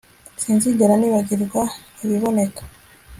Sinzigera nibagirwa ibiboneka